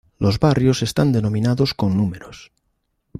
Los barrios están denominados con números.